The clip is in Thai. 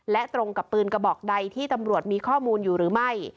และตรงกับปืนกระบอกใดที่ตำรวจมีข้อมูลอยู่หรือไม่